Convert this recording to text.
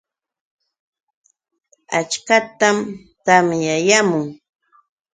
Achkatam tamyayaamun.